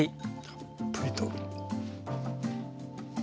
たっぷりと。